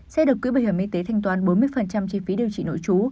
sẽ được quỹ bảo hiểm y tế thanh toán bốn mươi chi phí điều trị nội trú